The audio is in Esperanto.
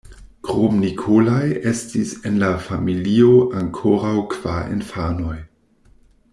Krom Nikolaj estis en la familio ankoraŭ kvar infanoj.